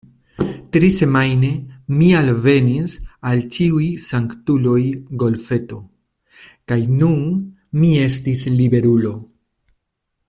Trisemajne mi alvenis al Ĉiuj Sanktuloj Golfeto, kaj nun mi estis liberulo.